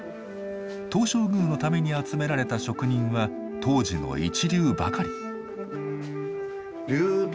東照宮のために集められた職人は当時の一流ばかり。